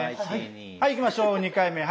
はいいきましょう２回目。